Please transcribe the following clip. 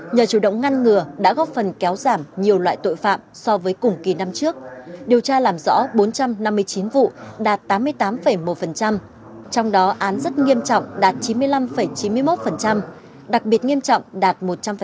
nhờ chủ động ngăn ngừa đã góp phần kéo giảm nhiều loại tội phạm so với cùng kỳ năm trước điều tra làm rõ bốn trăm năm mươi chín vụ đạt tám mươi tám một trong đó án rất nghiêm trọng đạt chín mươi năm chín mươi một đặc biệt nghiêm trọng đạt một trăm linh